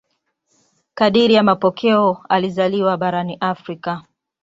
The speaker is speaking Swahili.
Kadiri ya mapokeo alizaliwa barani Afrika.